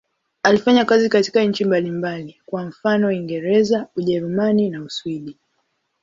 Alifanya kazi katika nchi mbalimbali, kwa mfano Uingereza, Ujerumani na Uswidi.